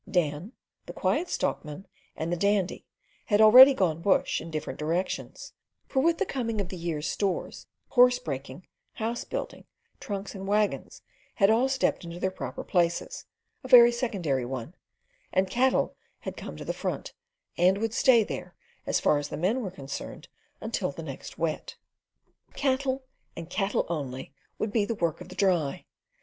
Dan, the Quiet Stockman, and the Dandy, had already gone "bush" in different directions; for with the coming of the year's stores, horse breaking, house building, trunks and waggons had all stepped into their proper places—a very secondary one—and cattle had come to the front and would stay there, as far as the men were concerned until next Wet. Cattle, and cattle only, would be the work of the "Dry."